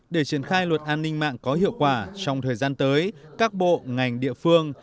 để triển khai luật an ninh mạng có hiệu quả trong thời gian tới các bộ ngành địa phương